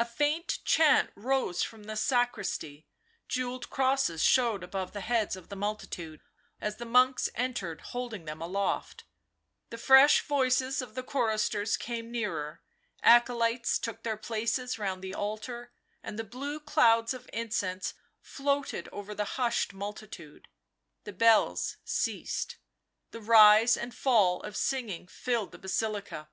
A faint chant rose from the sacristy, jewelled crosses showed above the heads of the multitude as the monks entered holding them aloft, the fresh voices of the choristers came nearer, acolytes took their jelaces round the altar, and the blue clouds of incense floated over the hushed multitude. The bells ceased. The rise and fall of singing filled the Basilica.